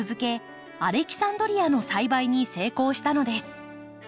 アレキサンドリアの栽培に成功したのです。